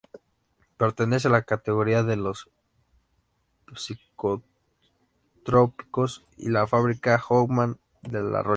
Pertenece a la categoría de los psicotrópicos y lo fabrica Hoffmann-La Roche.